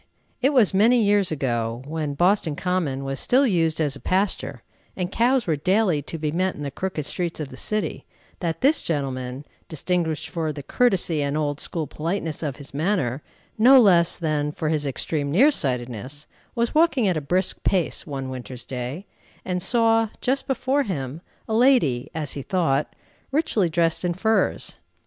It was many years ago, when Boston Common was still used as a pasture, and cows were daily to be met in the crooked streets of the city, that this gentleman, distinguished for the courtesy and old school politeness of his manner, no less than for his extreme near sightedness, was walking at a brisk pace, one winter's day, and saw, just before him, a lady, as he thought, richly dressed in furs.